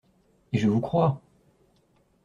Et je vous crois!